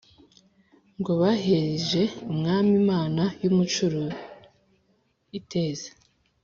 ngo bahereje umwami imana y'umucuri ( iteze ).